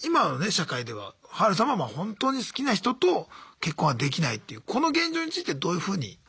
社会ではハルさんは本当に好きな人と結婚はできないというこの現状についてどういうふうに思いますか？